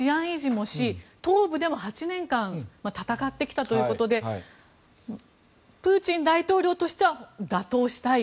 もし東部では８年間戦ってきたということでプーチン大統領としては打倒したい。